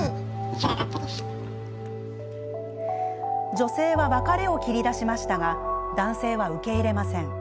女性は別れを切り出しましたが男性は受け入れません。